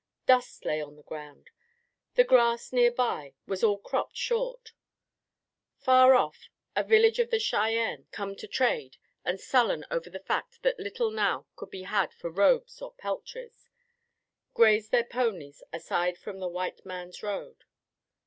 Dust lay on the ground. The grass near by was all cropped short. Far off, a village of the Cheyennes, come to trade, and sullen over the fact that little now could be had for robes or peltries, grazed their ponies aside from the white man's road.